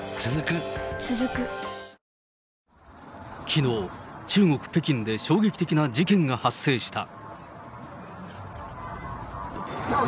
きのう、中国・北京で衝撃的な事件が発生した。